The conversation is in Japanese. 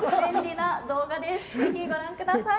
ぜひご覧ください。